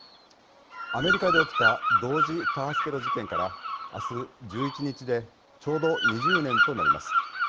アメリカで起きた同時多発テロ事件からあす１１日でちょうど２０年となります。